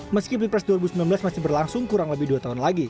meski pilpres dua ribu sembilan belas masih berlangsung kurang lebih dua tahun lagi